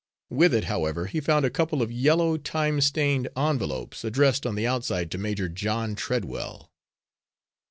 With it, however, he found a couple of yellow, time stained envelopes, addressed on the outside to Major John Treadwell.